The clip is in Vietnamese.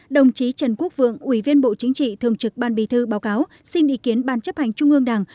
đồng chí trần quốc vượng ủy viên bộ chính trị thường trực ban bì thư báo cáo xin ý kiến ban chấp hành trung ương đảng